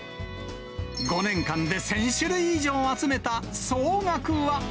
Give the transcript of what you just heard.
５年間で１０００種類以上集めた総額は。